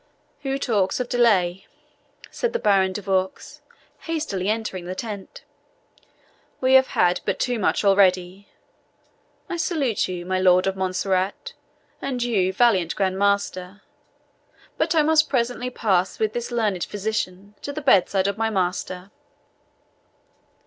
"Who talks of delay?" said the Baron de Vaux, hastily entering the tent; "we have had but too much already. I salute you, my Lord of Montserrat, and you, valiant Grand Master. But I must presently pass with this learned physician to the bedside of my master."